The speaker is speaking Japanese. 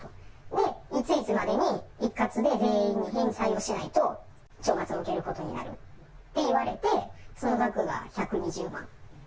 で、いついつまでに一括で全員に返済をしないと、懲罰を受けることになるって言われて、その額が１２０万。